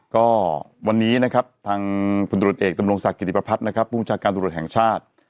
ก็วันนี้นะครับทางคุณตรวจเอกตำรงศาสตร์กิจประพัทธ์นะครับภูมิกับการตรวจแห่งชาติ